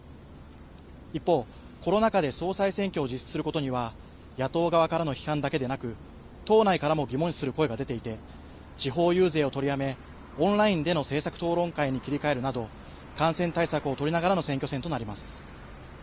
一方、コロナ禍で総裁選挙を実施することには野党側からの批判だけでなく党内からも疑問視する声が出ていて地方遊説を取りやめオンラインでの政策討論会に切り替えるなど感染対策を取りながら選挙戦となります。